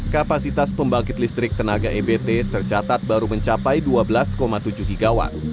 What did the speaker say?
kapasitas pembangkit listrik tenaga ebt tercatat baru mencapai dua belas tujuh gigawatt